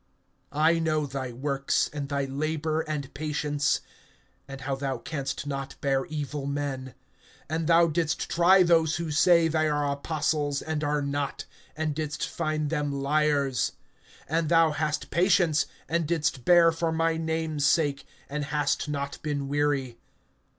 (2)I know thy works, and thy labor and patience, and how thou canst not bear evil men; and thou didst try those who say they are apostles, and are not, and didst find them liars; (3)and thou hast patience, and didst bear for my name's sake, and hast not been weary.